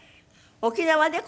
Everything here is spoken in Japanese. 沖縄で？